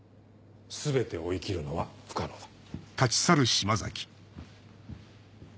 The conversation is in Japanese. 全て追い切るのは不可能だ。